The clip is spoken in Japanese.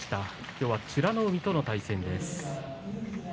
今日は美ノ海との対戦です。